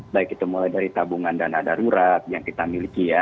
baik itu mulai dari tabungan dana darurat yang kita miliki ya